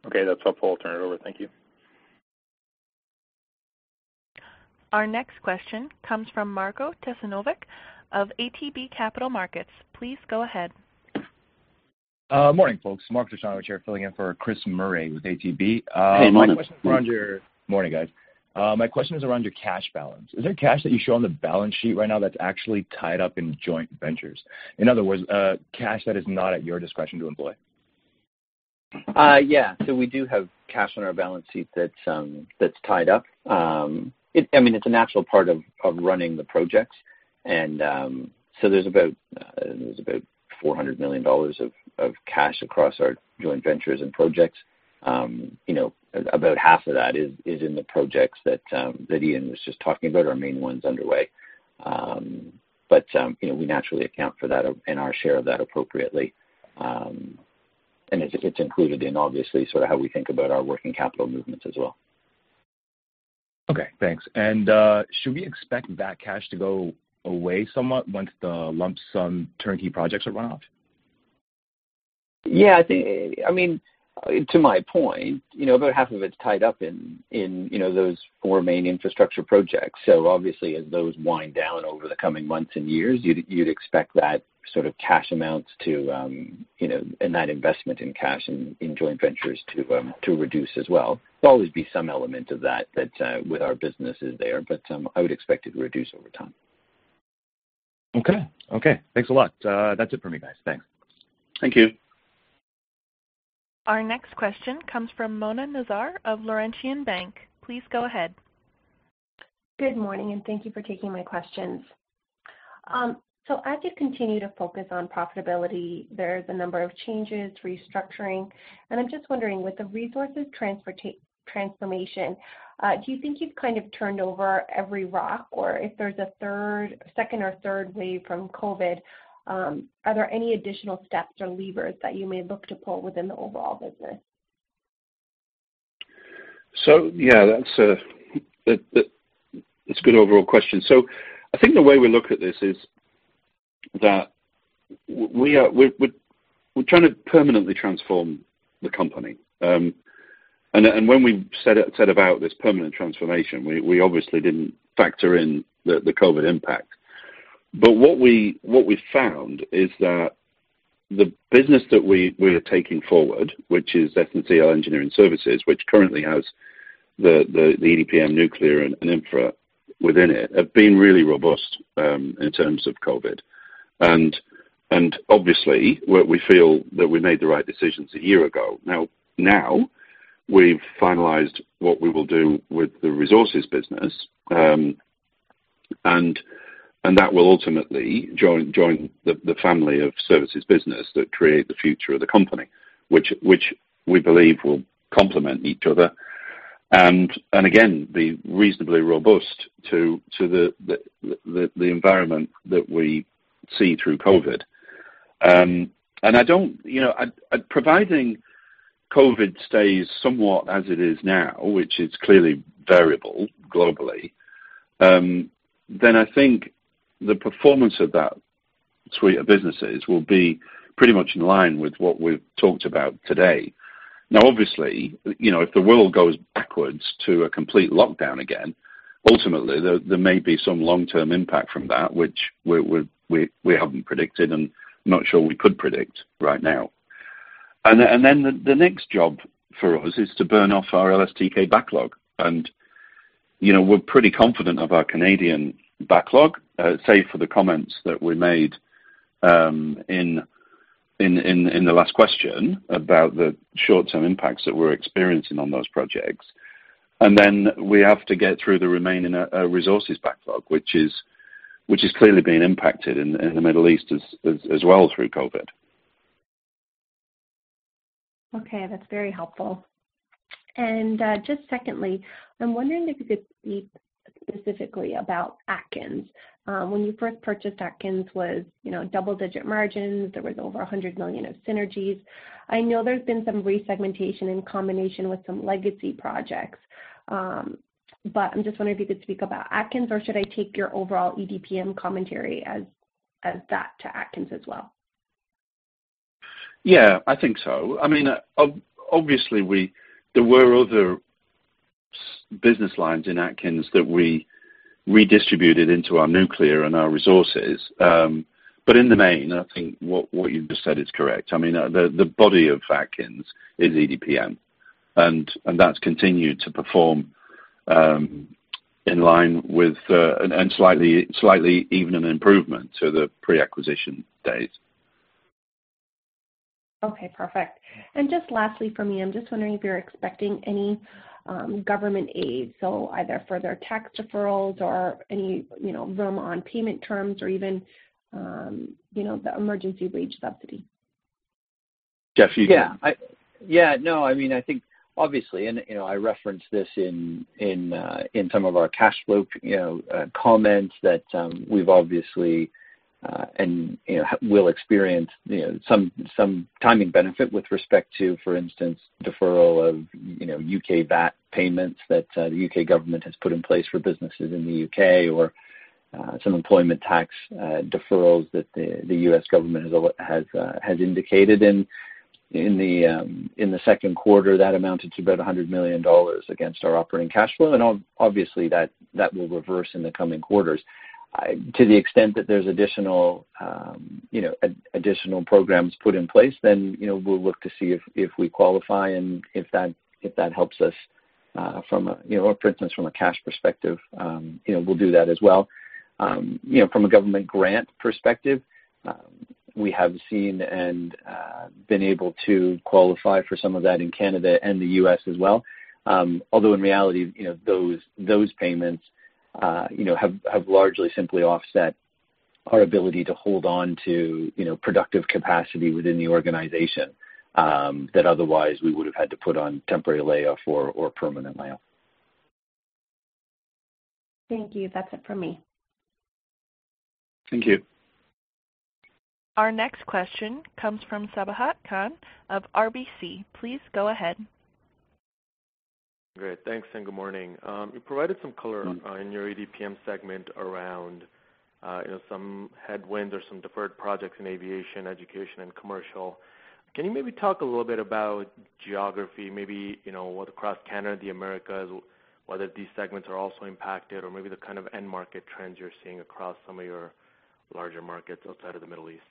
Okay, that's helpful. I'll turn it over. Thank you. Our next question comes from Marko Tesanovic of ATB Capital Markets. Please go ahead. Morning, folks. Marko Tesanovic here filling in for Chris Murray with ATB. Hey, morning. Morning, guys. My question is around your cash balance. Is there cash that you show on the balance sheet right now that's actually tied up in joint ventures? In other words, cash that is not at your discretion to employ. We do have cash on our balance sheet that's tied up. It's a natural part of running the projects. There's about 400 million dollars of cash across our joint ventures and projects. About half of that is in the projects that Ian was just talking about, our main ones underway. We naturally account for that and our share of that appropriately. It's included in, obviously, how we think about our working capital movements as well. Okay, thanks. Should we expect that cash to go away somewhat once the Lump-Sum Turnkey projects are run off? Yeah, to my point, about half of it's tied up in those four main infrastructure projects. Obviously as those wind down over the coming months and years, you'd expect that sort of cash amounts and that investment in cash in joint ventures to reduce as well. There'll always be some element of that with our businesses there, I would expect it to reduce over time. Okay. Thanks a lot. That's it for me, guys. Thanks. Thank you. Our next question comes from Mona Naji of Laurentian Bank. Please go ahead. Good morning. Thank you for taking my questions. As you continue to focus on profitability, there's a number of changes, restructuring, and I'm just wondering, with the resources transformation, do you think you've turned over every rock? If there's a second or third wave from COVID, are there any additional steps or levers that you may look to pull within the overall business? Yeah, that's a good overall question. I think the way we look at this is that we're trying to permanently transform the company. When we set about this permanent transformation, we obviously didn't factor in the COVID impact. What we found is that the business that we are taking forward, which is SNCL Engineering Services, which currently has the EDPM nuclear and infra within it, have been really robust in terms of COVID. Obviously, we feel that we made the right decisions a year ago. Now, we've finalized what we will do with the Resources business, and that will ultimately join the family of services business that create the future of the company, which we believe will complement each other, and again, be reasonably robust to the environment that we see through COVID. Providing COVID stays somewhat as it is now, which is clearly variable globally, then I think the performance of that suite of businesses will be pretty much in line with what we've talked about today. Obviously, if the world goes backwards to a complete lockdown again, ultimately, there may be some long-term impact from that which we haven't predicted and not sure we could predict right now. The next job for us is to burn off our LSTK backlog. We're pretty confident of our Canadian backlog, save for the comments that we made in the last question about the short-term impacts that we're experiencing on those projects. We have to get through the remaining resources backlog, which has clearly been impacted in the Middle East as well through COVID. Okay, that's very helpful. Just secondly, I'm wondering if you could speak specifically about Atkins. When you first purchased Atkins was double-digit margins. There was over 100 million of synergies. I know there's been some resegmentation in combination with some legacy projects. I'm just wondering if you could speak about Atkins, or should I take your overall EDPM commentary as that to Atkins as well? Yeah, I think so. There were other business lines in Atkins that we redistributed into our nuclear and our resources. In the main, I think what you've just said is correct. The body of Atkins is EDPM, and that's continued to perform in line with, and slightly even an improvement to the pre-acquisition days. Okay, perfect. Just lastly from me, I'm just wondering if you're expecting any government aid, so either further tax deferrals or any room on payment terms or even the emergency wage subsidy. Jeff. Yeah. I think obviously, and I referenced this in some of our cash flow comments that we've obviously, and will experience some timing benefit with respect to, for instance, deferral of U.K. VAT payments that the U.K. government has put in place for businesses in the U.K. or some employment tax deferrals that the U.S. government has indicated in the second quarter that amounted to about 100 million dollars against our operating cash flow, and obviously, that will reverse in the coming quarters. To the extent that there's additional programs put in place, then we'll look to see if we qualify and if that helps us from a cash perspective, we'll do that as well. From a government grant perspective, we have seen and been able to qualify for some of that in Canada and the U.S. as well. In reality, those payments have largely simply offset our ability to hold on to productive capacity within the organization, that otherwise we would have had to put on temporary layoff or permanent layoff. Thank you. That's it from me. Thank you. Our next question comes from Sabahat Khan of RBC. Please go ahead. Great. Thanks, good morning. You provided some color on your EDPM segment around some headwinds or some deferred projects in aviation, education, and commercial. Can you maybe talk a little bit about geography, maybe what across Canada, the Americas, whether these segments are also impacted or maybe the kind of end market trends you're seeing across some of your larger markets outside of the Middle East?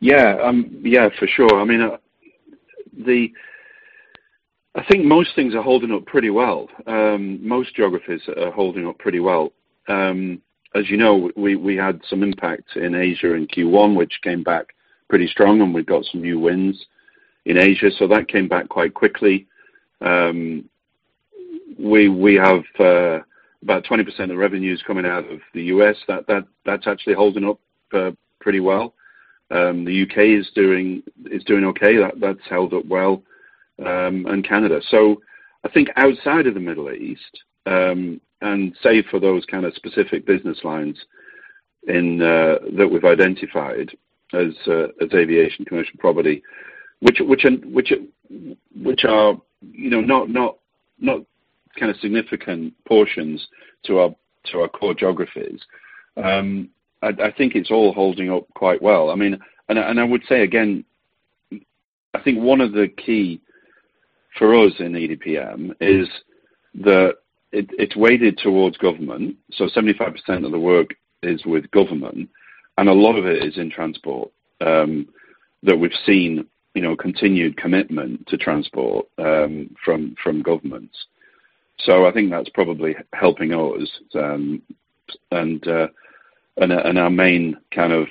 Yeah, for sure. I think most things are holding up pretty well. Most geographies are holding up pretty well. As you know, we had some impact in Asia in Q1, which came back pretty strong, and we got some new wins in Asia. That came back quite quickly. We have about 20% of revenues coming out of the U.S. That's actually holding up pretty well. The U.K. is doing okay. That's held up well, and Canada. I think outside of the Middle East, and save for those kind of specific business lines that we've identified as aviation, commercial property, which are not significant portions to our core geographies. I think it's all holding up quite well. I would say again, I think one of the key for us in EDPM is that it's weighted towards government. 75% of the work is with government, and a lot of it is in transport, that we've seen continued commitment to transport from governments. Our main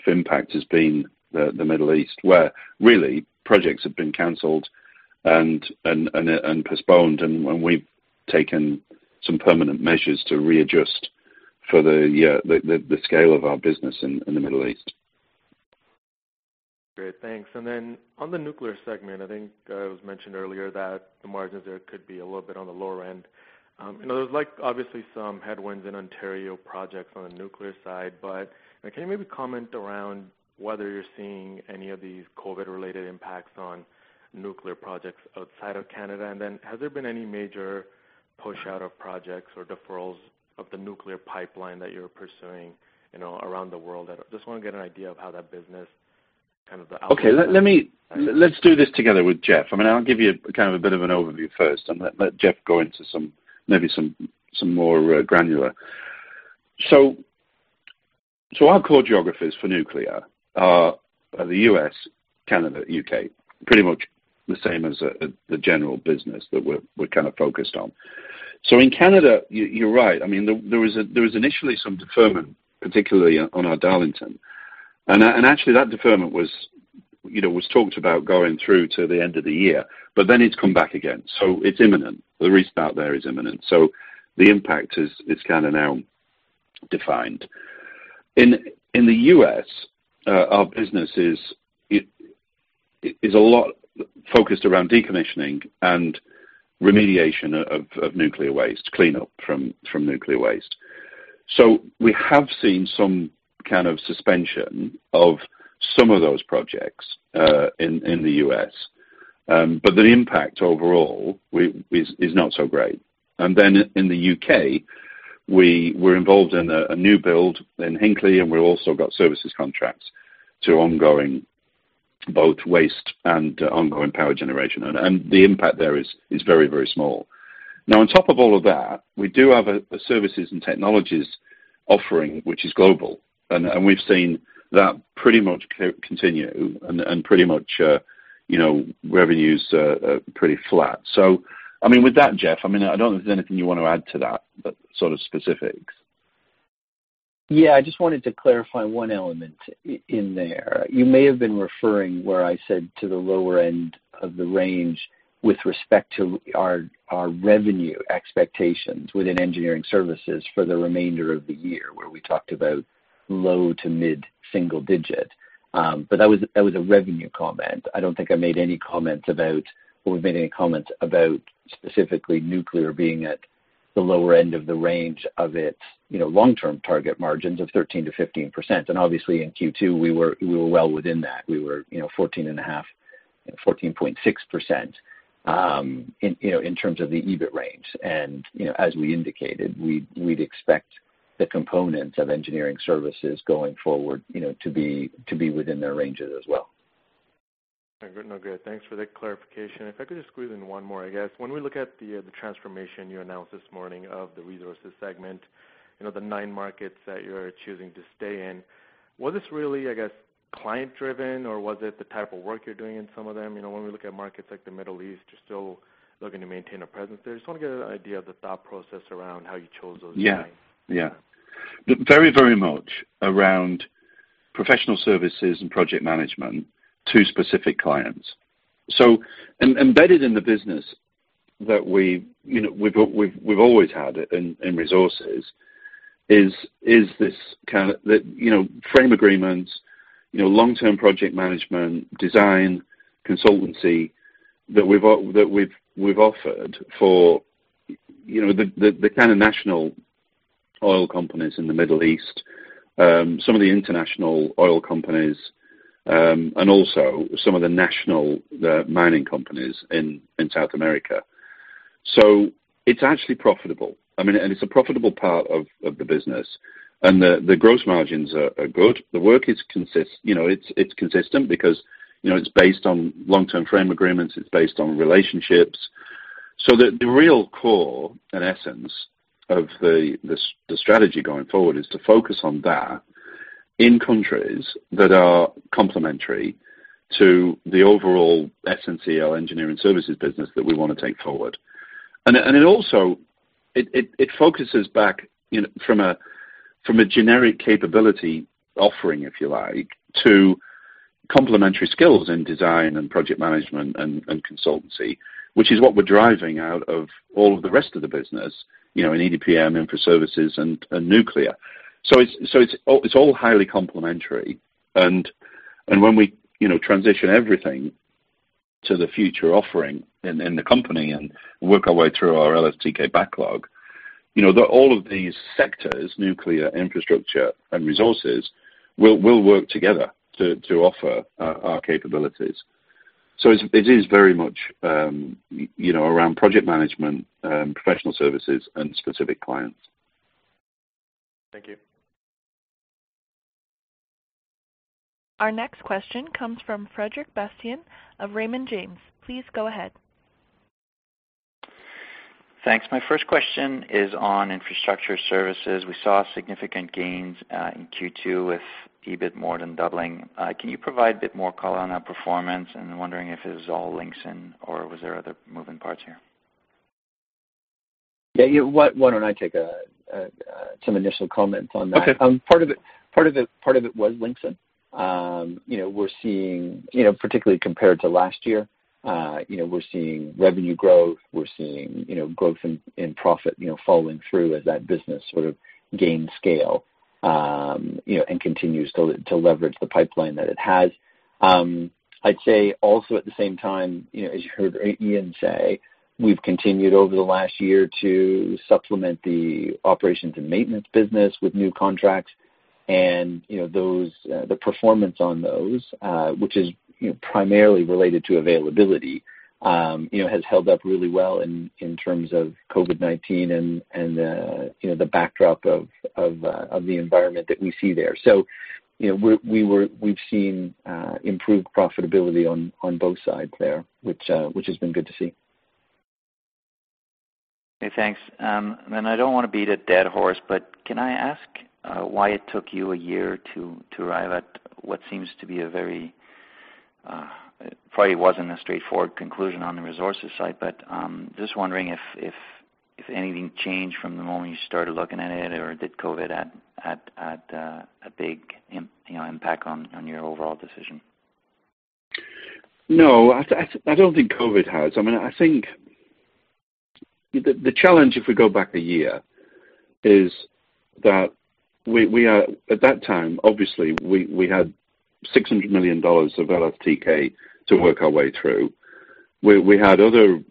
impact has been the Middle East, where really projects have been canceled and postponed, and we've taken some permanent measures to readjust for the scale of our business in the Middle East. Great. Thanks. On the nuclear segment, I think it was mentioned earlier that the margins there could be a little bit on the lower end. There's obviously some headwinds in Ontario projects on the nuclear side, can you maybe comment around whether you're seeing any of these COVID-related impacts on nuclear projects outside of Canada? Has there been any major push out of projects or deferrals of the nuclear pipeline that you're pursuing around the world? I just want to get an idea of how that business outside- Okay. Let's do this together with Jeff. I'll give you a bit of an overview first and let Jeff go into maybe some more granular. Our core geographies for nuclear are the U.S., Canada, U.K., pretty much the same as the general business that we're focused on. In Canada, you're right. There was initially some deferment, particularly on our Darlington. Actually, that deferment was talked about going through to the end of the year, but then it's come back again. It's imminent. The restart there is imminent. The impact is now defined. In the U.S., our business is a lot focused around decommissioning and remediation of nuclear waste, cleanup from nuclear waste. The impact overall is not so great. In the U.K., we were involved in a new build in Hinkley, and we've also got services contracts to ongoing both waste and ongoing power generation. The impact there is very small. On top of all of that, we do have a services and technologies offering, which is global, and we've seen that pretty much continue and pretty much revenues are pretty flat. With that, Jeff, I don't know if there's anything you want to add to that sort of specifics. Yeah. I just wanted to clarify one element in there. You may have been referring where I said to the lower end of the range with respect to our revenue expectations within Engineering Services for the remainder of the year, where we talked about low to mid-single digit. That was a revenue comment. I don't think I made any comments about, or we've made any comments about specifically Nuclear being at the lower end of the range of its long-term target margins of 13%-15%. Obviously in Q2, we were well within that. We were 14.5, 14.6% in terms of the EBIT range. As we indicated, we'd expect the components of Engineering Services going forward to be within their ranges as well. No, good. Thanks for the clarification. If I could just squeeze in one more, I guess. When we look at the transformation you announced this morning of the Resources segment, the nine markets that you're choosing to stay in, was this really, I guess, client-driven, or was it the type of work you're doing in some of them? When we look at markets like the Middle East, you're still looking to maintain a presence there. Just want to get an idea of the thought process around how you chose those nine. Yeah. Very much around professional services and project management to specific clients. Embedded in the business that we've always had in resources is this kind of frame agreements, long-term project management, design consultancy that we've offered for the kind of national oil companies in the Middle East, some of the international oil companies, and also some of the national mining companies in South America. It's actually profitable. It's a profitable part of the business. The gross margins are good. The work is consistent because it's based on long-term frame agreements. It's based on relationships. The real core and essence of the strategy going forward is to focus on that in countries that are complementary to the overall SNCL Engineering Services business that we want to take forward. It also focuses back from a generic capability offering, if you like, to complementary skills in design and project management and consultancy, which is what we're driving out of all of the rest of the business, in EDPM, Infra Services, and nuclear. It's all highly complementary. When we transition everything to the future offering in the company and work our way through our LSTK backlog, all of these sectors, nuclear, infrastructure, and resources, will work together to offer our capabilities. It is very much around project management, professional services, and specific clients. Thank you. Our next question comes from Frederic Bastien of Raymond James. Please go ahead. Thanks. My first question is on infrastructure services. We saw significant gains in Q2 with EBIT more than doubling. Can you provide a bit more color on that performance? I'm wondering if it was all Linxon or was there other moving parts here? Yeah. Why don't I take some initial comments on that? Okay. Part of it was Linxon. We're seeing, particularly compared to last year, we're seeing revenue growth. We're seeing growth in profit following through as that business sort of gains scale, and continues to leverage the pipeline that it has. I'd say also at the same time, as you heard Ian say, we've continued over the last year to supplement the operations and maintenance business with new contracts, and the performance on those, which is primarily related to availability, has held up really well in terms of COVID-19 and the backdrop of the environment that we see there. We've seen improved profitability on both sides there, which has been good to see. Okay, thanks. I don't want to beat a dead horse, but can I ask why it took you a year to arrive at what seems to be a very, probably wasn't a straightforward conclusion on the resources side, but just wondering if anything changed from the moment you started looking at it, or did COVID-19 add a big impact on your overall decision? No, I don't think COVID has. I think the challenge, if we go back a year, is that at that time, obviously, we had 600 million dollars of LSTK to work our way through. We had other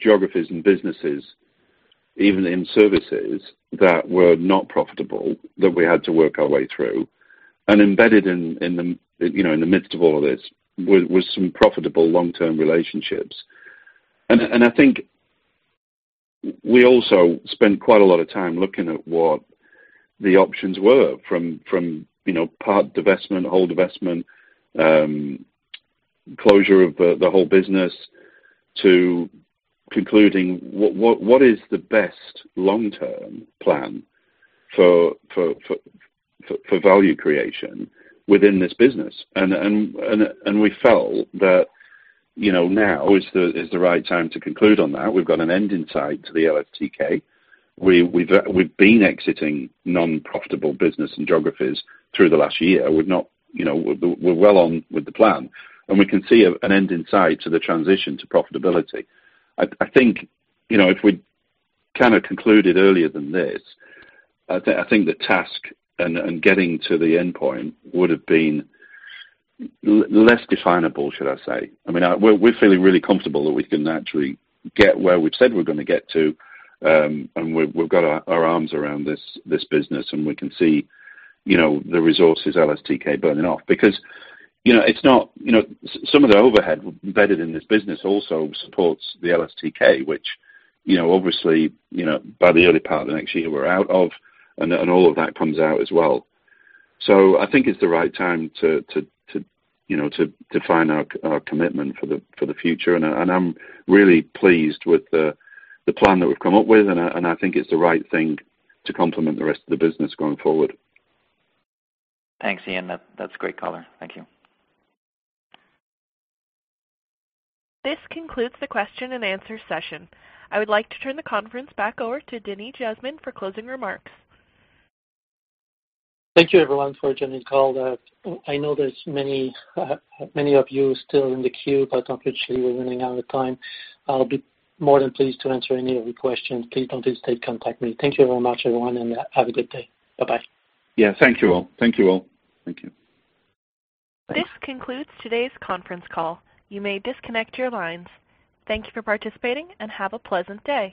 geographies and businesses. Even in services that were not profitable, that we had to work our way through. Embedded in the midst of all this was some profitable long-term relationships. I think we also spent quite a lot of time looking at what the options were from part divestment, whole divestment, closure of the whole business, to concluding what is the best long-term plan for value creation within this business. We felt that now is the right time to conclude on that. We've got an end in sight to the LSTK. We've been exiting non-profitable business and geographies through the last year. We're well on with the plan, and we can see an end in sight to the transition to profitability. I think if we concluded earlier than this, I think the task and getting to the endpoint would have been less definable, should I say. We're feeling really comfortable that we can actually get where we've said we're going to get to. We've got our arms around this business, and we can see the resources LSTK burning off. Some of the overhead embedded in this business also supports the LSTK, which obviously, by the early part of next year, we're out of, and all of that comes out as well. I think it's the right time to define our commitment for the future. I'm really pleased with the plan that we've come up with, and I think it's the right thing to complement the rest of the business going forward. Thanks, Ian. That's great color. Thank you. This concludes the question-and-answer session. I would like to turn the conference back over to Denis Jasmin for closing remarks. Thank you, everyone, for joining the call. I know there's many of you still in the queue, but unfortunately, we're running out of time. I'll be more than pleased to answer any of your questions. Please don't hesitate to contact me. Thank you very much, everyone, and have a good day. Bye-bye. Yeah. Thank you, all. Thank you. This concludes today's conference call. You may disconnect your lines. Thank you for participating and have a pleasant day.